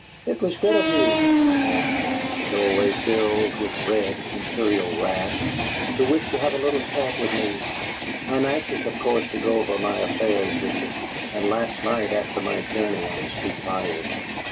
"It was good of you," she said, as the doorway filled with red, imperial wrath, "to wish to have a little chat with me. I'm anxious, of course, to go over my affairs with you, and last night, after my journey, I was too tired.